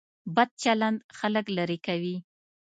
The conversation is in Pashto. بد چلند خلک لرې کوي.